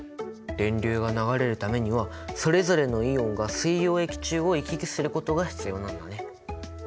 電流が流れるためにはそれぞれのイオンが水溶液中を行き来することが必要なんだね。